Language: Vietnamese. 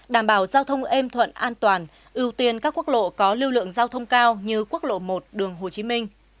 đảm bảo giao thông êm thuận an toàn ưu tiên các quốc lộ có lưu lượng giao thông cao như quốc lộ một đường hồ chí minh